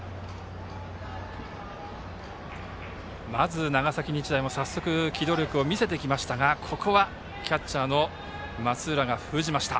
まず長崎日大も早速、機動力を見せてきましたがここはキャッチャーの松浦が封じました。